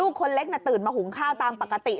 คนเล็กตื่นมาหุงข้าวตามปกติ